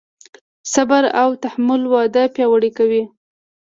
صبر او تحمل واده پیاوړی کوي.